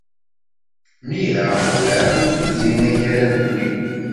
Mira werɛad ur tuzin akaraf-nni.